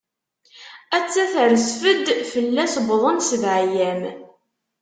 Atta terzef-d, fell-as wwḍen sebɛ-yyam.